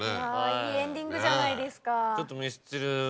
いいエンディングじゃないですか。